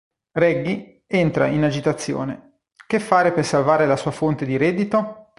Reggie entra in agitazione: che fare per salvare la sua fonte di reddito?